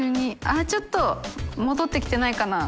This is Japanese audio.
◆舛ちょっと戻ってきてないかな。